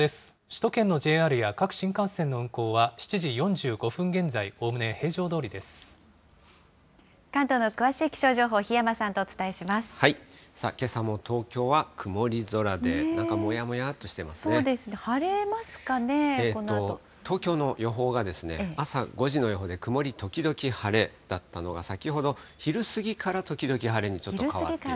首都圏のＪＲや各新幹線の運行は７時４５分現在、おおむね平常ど関東の詳しい気象情報、檜山けさも東京は曇り空で、なんそうですね、晴れますかね、東京の予報が朝５時の予報で曇り時々晴れだったのが、先ほど、昼過ぎから時々晴れにちょっと変わった。